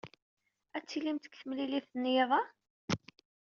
Ad tilimt deg temlilit n yiḍ-a?